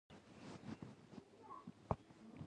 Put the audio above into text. ګرامر په پارسي ژبه لیکل شوی دی.